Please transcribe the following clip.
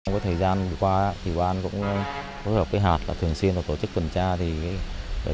có thời gian qua thủy quan cũng hợp với hạt thường xuyên tổ chức phần tra